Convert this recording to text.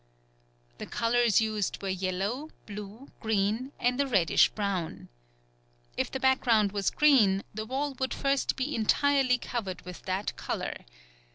The colours used were yellow, blue, green, and a reddish brown. If the background was green, the wall would first be entirely covered with that colour.